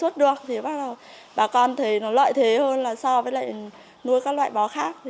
thì bà con học theo